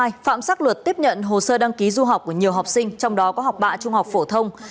năm hai nghìn hai mươi hai phạm sắc luật tiếp nhận hồ sơ đăng ký du học của nhiều học sinh trong đó có học bạ trung học phổ thông